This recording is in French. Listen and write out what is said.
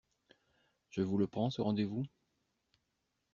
Je vous le prends, ce rendez-vous?